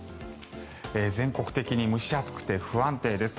全国的に蒸し暑くて不安定です。